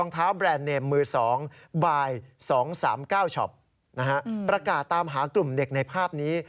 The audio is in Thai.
ตามทำไม